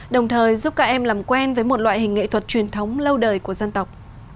đồng thời giúp các em làm quen với một loại hình nghệ thuật truyền thống lâu đời của dân tộc